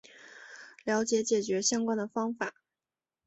了解解决相关的方法